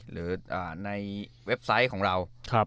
หรือในเว็บไซต์ของเรา